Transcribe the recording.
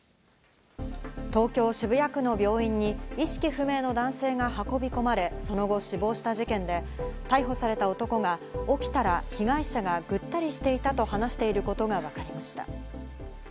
東京・渋谷区の病院に意識不明の男性が運び込まれその後死亡した事件で、逮捕された男が起きたら被害者がぐったりしていたと話していることがわかりました。